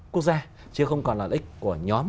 quốc gia chứ không còn lợi ích của nhóm